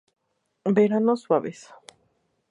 Veranos suaves.